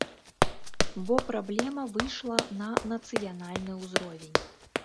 Бо праблема выйшла на нацыянальны ўзровень.